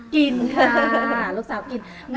ของคุณยายถ้วน